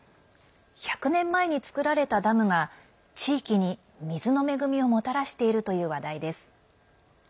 １００年前に造られたダムが地域に、水の恵みをもたらしているという話題です。